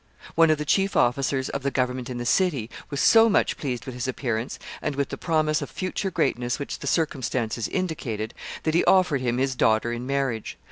One of the chief officers of the government in the city was so much pleased with his appearance, and with the promise of future greatness which the circumstances indicated, that he offered him his daughter in marriage.